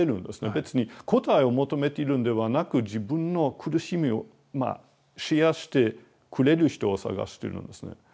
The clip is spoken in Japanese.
別に答えを求めているんではなく自分の苦しみをシェアしてくれる人を探してるんですね。